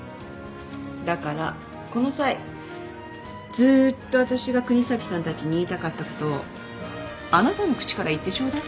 だからこの際ずっと私が國東さんたちに言いたかったことをあなたの口から言ってちょうだい。